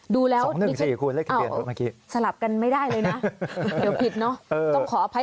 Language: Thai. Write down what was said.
ดูแล้วสลับกันไม่ได้เลยนะเดี๋ยวผิดเนอะต้องขออภัย